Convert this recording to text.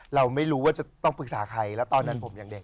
เราไม่รู้ว่าจะต้องปรึกษาใครแล้วตอนนั้นผมยังเด็ก